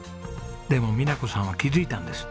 でも美奈子さんは気づいたんです。